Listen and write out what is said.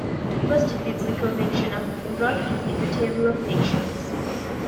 The first biblical mention of Nimrod is in the Table of Nations.